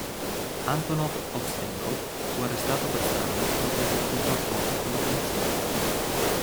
Antonov-Ovseenko fu arrestato per strada dopo un conflitto a fuoco con la polizia.